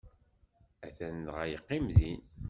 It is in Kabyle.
Atan dɣa, yeqqim din.